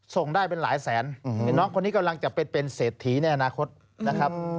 ส่งได้เป็นหลายแสนเห็นน้องคนนี้กำลังจะไปเป็นเศรษฐีในอนาคตนะครับ